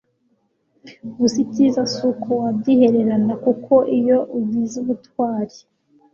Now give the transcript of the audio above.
Gusa icyiza si uko wabyihererana kuko iyo ugize ubutwari